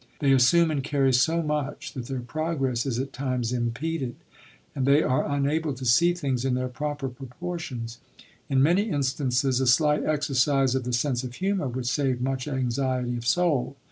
They assume and carry so much that their progress is at times impeded and they are unable to see things in their proper proportions. In many instances a slight exercise of the sense of humor would save much anxiety of soul.